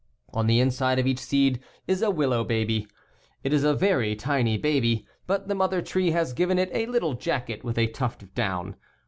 On the inside of each seed is a willow baby. It is a very tiny baby, but the mother tree has given it a little jacket with a tuft of down.